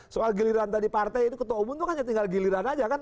soal giliran tadi partai itu ketua umum itu hanya tinggal giliran aja kan